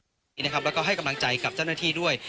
แล้วก็ให้กำลังใจกับเจ้าหน้าที่ด้วย